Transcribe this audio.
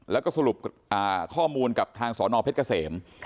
แล้วก็สรุปข้อมูลกับทางสอนอเพชรเกษม